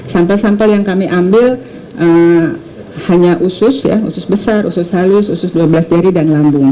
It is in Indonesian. sampel sampel yang kami ambil hanya usus ya usus besar usus halus usus dua belas diri dan lambung